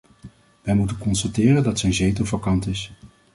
Wij moeten constateren dat zijn zetel vacant is.